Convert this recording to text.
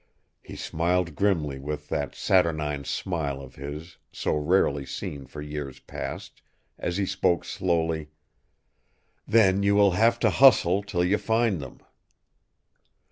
He smiled grimly with that saturnine smile of his, so rarely seen for years past, as he spoke slowly: "'Then you will have to hustle till you find them!